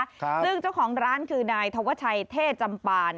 ซึ่งเจ้าของร้านคือนายธวัชชัยเทศจำปา